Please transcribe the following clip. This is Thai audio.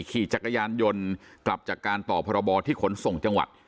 ขี่จักรยานยนต์กลับจากการต่อพรบที่ขนส่งจังหวัด